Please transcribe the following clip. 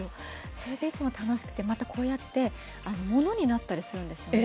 それでいつも楽しくてまたこうやって物になったりするんですよ。